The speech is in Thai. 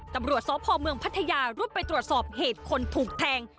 ตำรวจสพเมืองพัทยารุดไปตรวจสอบเหตุคนถูกแทง